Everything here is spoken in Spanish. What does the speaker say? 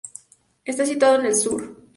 Está situado en el sur.